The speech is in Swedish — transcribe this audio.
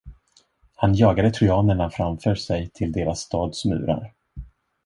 Han jagade trojanerna framför sig till deras stads murar.